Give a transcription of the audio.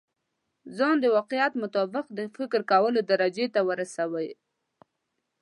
ځان د واقعيت مطابق د فکر کولو درجې ته ورسوي.